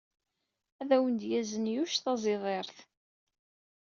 Ad awen-d-yazen Yuc taẓidirt.